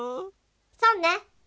そうね。